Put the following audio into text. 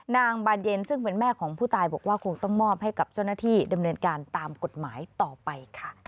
นางบาดเย็นซึ่งเป็นแม่ของผู้ตายบอกว่าคงต้องมอบให้กับเจ้าหน้าที่